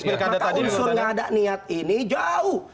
maka unsur tidak ada niat ini jauh